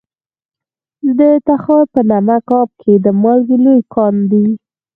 د تخار په نمک اب کې د مالګې لوی کان دی.